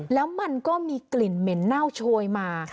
แล้วมันก็มีกลิ่นเหม็นเน่าโชยมา